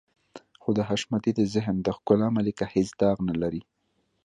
خو د حشمتي د ذهن د ښکلا ملکه هېڅ داغ نه لري.